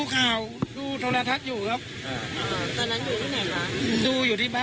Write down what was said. ครับผมครับ